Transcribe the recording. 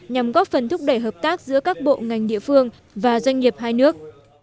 nhằm góp phần thúc đẩy hợp tác giữa các bộ ngành địa phương và doanh nghiệp hai nước